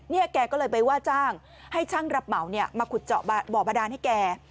แกก็เลยไปว่าจ้างให้ช่างรับเหมาเนี่ยมาขุดเจาะบ่อบาดานให้แก